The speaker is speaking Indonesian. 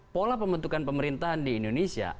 pola pembentukan pemerintahan di indonesia